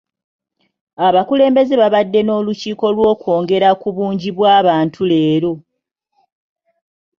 Abakulembeze babadde n'olukiiko lw'okwongera ku bungi bw'abantu leero.